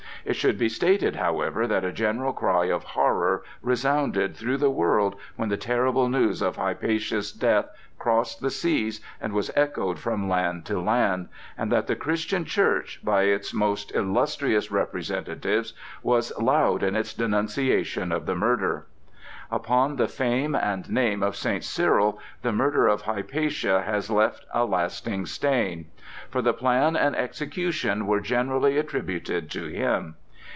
It should be stated, however, that a general cry of horror resounded through the world when the terrible news of Hypatia's death crossed the seas and was echoed from land to land, and that the Christian Church, by its most illustrious representatives, was loud in its denunciation of the murder. Upon the fame and name of St. Cyril the murder of Hypatia has left a lasting stain; for the plan and execution were generally attributed to him.